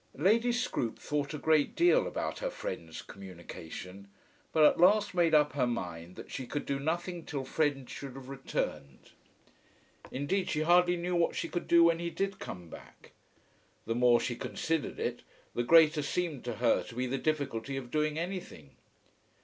Lady Scroope thought a great deal about her friend's communication, but at last made up her mind that she could do nothing till Fred should have returned. Indeed she hardly knew what she could do when he did come back. The more she considered it the greater seemed to her to be the difficulty of doing anything.